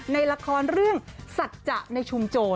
ในละครเรื่องสัตว์จักรในชุมโจร